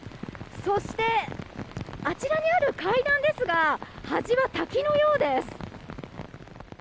そして、あちらにある階段ですが端は滝のようです。